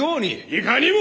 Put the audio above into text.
いかにも！